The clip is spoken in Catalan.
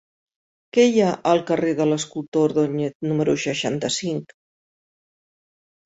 Què hi ha al carrer de l'Escultor Ordóñez número seixanta-cinc?